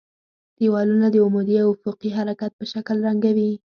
دېوالونه د عمودي او افقي حرکت په شکل رنګوي.